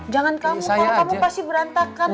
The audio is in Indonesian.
jangan kamu kalau kamu pasti berantakan